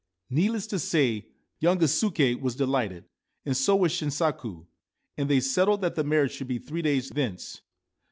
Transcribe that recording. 1 Needless to say, young Gisuke was delighted, and so was Shinsaku ; and they settled that the marriage should be three days thence.